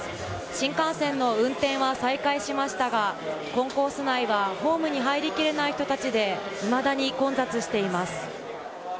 新幹線の運転は再開しましたがコンコース内はホームに入りきれない人たちでいまだに混雑しています。